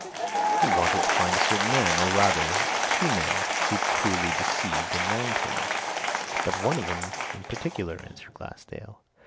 "He wanted to find a certain man or, rather, two men who'd cruelly deceived and wronged him, but one of 'em in particular," answered Glassdale.